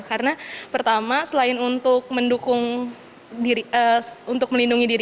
karena pertama selain untuk mendukung diri untuk melindungi diri